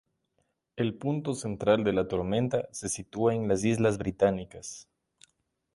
El punto central de la tormenta se sitúa en las islas Británicas.